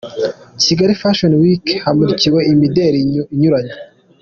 Kigali Fashion Week hamurikiwe imideli inyuranye.